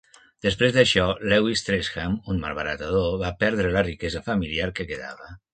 Després d'això, Lewis Tresham, un malbaratador, va perdre la riquesa familiar que quedava.